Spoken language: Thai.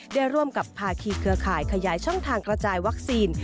ได้ร่วมกับภาคีเครือข่ายขยายช่องทางกระจายวัคซีน